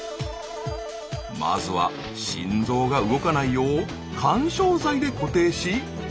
まずは心臓が動かないよう緩衝材で固定し装置にセット。